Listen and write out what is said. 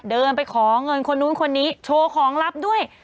เดินไปขอเงินคนนู้นคนนี้โชว์ของลับด้วย